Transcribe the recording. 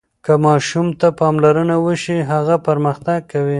که ماشوم ته پاملرنه وشي، هغه پرمختګ کوي.